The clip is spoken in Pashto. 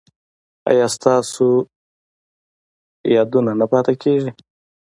ایا ستاسو یادونه نه پاتې کیږي؟